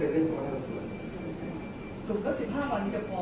แต่ว่าไม่มีปรากฏว่าถ้าเกิดคนให้ยาที่๓๑